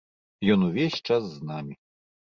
Ён увесь час з намі.